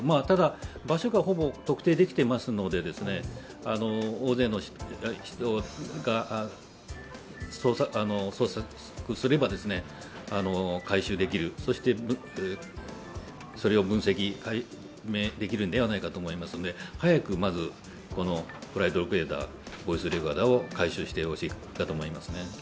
ただ、場所がほぼ特定できていますので、大勢の人が捜索すれば回収できるそしてそれを分析、解明できるのではないかと思いますので早くまずフライトレコーダー、ボイスレコーダーを回収してほしいと思いますね。